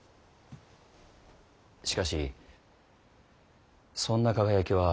しかしそんな輝きは本来ない。